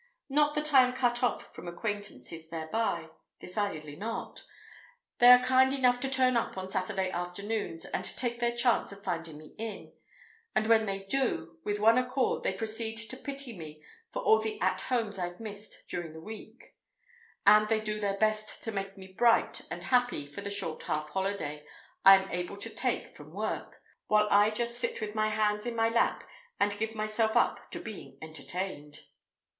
Not that I am cut off from acquaintances thereby; decidedly not. They are kind enough to turn up on Saturday afternoons and take their chance of finding me in; and when they do, with one accord they proceed to pity me for all the "at homes" I've missed during the week, and they do their best to make me bright and happy for the short half holiday I am able to take from work, while I just sit with my hands in my lap and give myself up to being entertained.